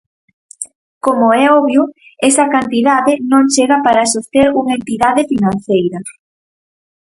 Como é obvio, esa cantidade non chega para soster unha entidade financeira.